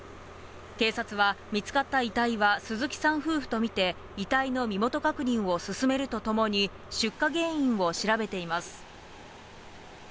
警察は、見つかった遺体は鈴木さん夫婦と見て、遺体の身元確認を進めるとともに、出火原因を調べています。